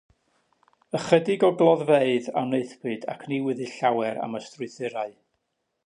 Ychydig o gloddfeydd a wnaethpwyd ac ni wyddys llawer am y strwythurau.